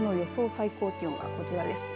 最高気温がこちらです。